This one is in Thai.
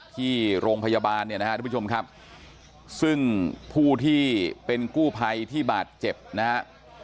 ที่โรงพยาบาลเนี่ยนะฮะทุกผู้ชมครับซึ่งผู้ที่เป็นกู้ภัยที่บาดเจ็บนะฮะ